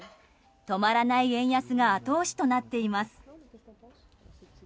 止まらない円安が後押しとなっています。